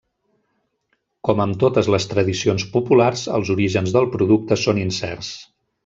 Com amb totes les tradicions populars, els orígens del producte són incerts.